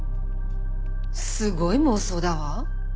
すごい妄想だわ。